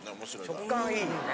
食感いいよね。